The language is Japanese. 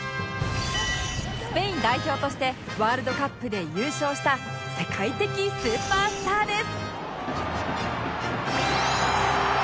スペイン代表としてワールドカップで優勝した世界的スーパースターです